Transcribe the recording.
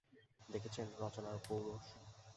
দেখেছেন রচনার পৌরুষ।